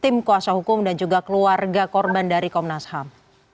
tim kuasa hukum dan juga keluarga korban dari komnas ham